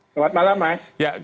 selamat malam mas